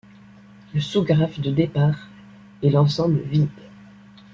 Le sous-graphe de départ est l'ensemble vide.